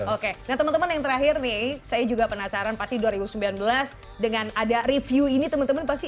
oke nah teman teman yang terakhir nih saya juga penasaran pasti dua ribu sembilan belas dengan ada review ini teman teman pasti